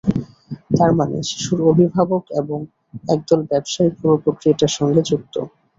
তার মানে, শিশুর অভিভাবক এবং একদল ব্যবসায়ী পুরো প্রক্রিয়াটার সঙ্গে যুক্ত।